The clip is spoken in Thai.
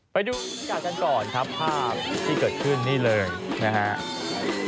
ไปดูภาพที่เกิดขึ้นนี่เลยนะครับ